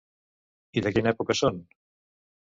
I de quina època són?